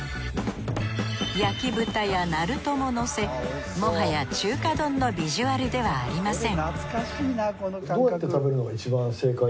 焼き豚やなるとものせもはや中華丼のビジュアルではありませんえっ